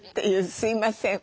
すいません。